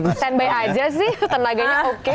standby aja sih tenaganya oke